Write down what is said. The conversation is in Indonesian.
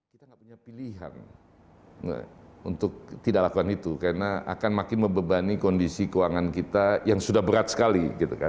kita nggak punya pilihan untuk tidak lakukan itu karena akan makin membebani kondisi keuangan kita yang sudah berat sekali